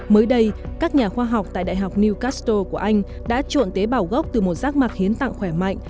mới đây các nhà khoa học tại đại học newcastle của anh đã trộn tế bảo gốc từ một giác mạc hiến tặng khỏe mạnh